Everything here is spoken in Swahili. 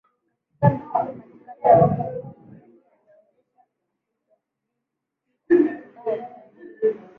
Katika mifanokatika tathmini hii zilionyesha kutodhbitika katika homoni